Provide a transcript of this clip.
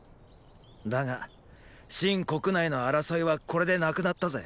だが秦国内の争いはこれで無くなったぜ。